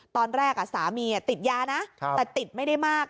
ตอนแรกสามีติดยานะแต่ติดไม่ได้มาก